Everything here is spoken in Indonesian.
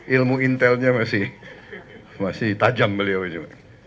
ilmu intelnya masih masih tajam beliau